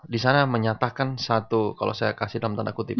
di sana menyatakan satu kalau saya kasih dalam tanda kutip